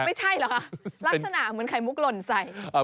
ไม่ใช่เหรอคะลักษณะเหมือนไข่มุกหล่นใส่